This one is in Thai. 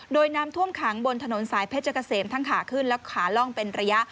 โดยน้ำท่วมขังบนถนนสายเพชรเกษมทั้งขาขึ้นและขาล่องเป็นระยะ